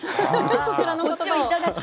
そちらの言葉を？